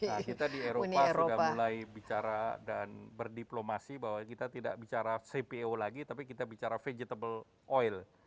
nah kita di eropa sudah mulai bicara dan berdiplomasi bahwa kita tidak bicara cpo lagi tapi kita bicara vegetable oil